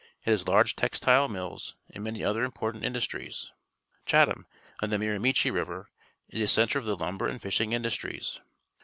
It has large textile mills and many other important industries. Chatham, on t he Miramichi JRi^'er, is a centre of t he lumber and fishing indnstrifts.